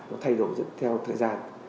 nó thay đổi theo thời gian